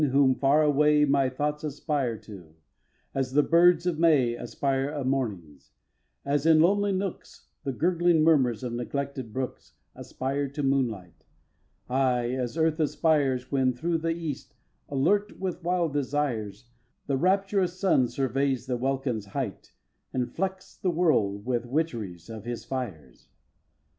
whom far away My thoughts aspire to, as the birds of May Aspire o' mornings, as in lonely nooks The gurgling murmurs of neglected brooks Aspire to moonlight, aye! as earth aspires When through the East, alert with wild desires, The rapturous sun surveys the welkin's height, And flecks the world with witcheries of his fires.